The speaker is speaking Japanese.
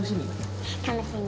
楽しみ？